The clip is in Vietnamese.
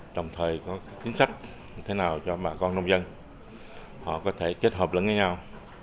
đồng thời có chính sách như thế nào cho bà con nông dân họ có thể kết hợp lẫn với nhau